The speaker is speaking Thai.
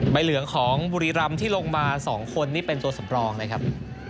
เหลืองของบุรีรำที่ลงมา๒คนนี่เป็นตัวสำรองนะครับ